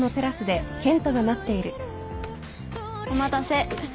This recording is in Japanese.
お待たせ。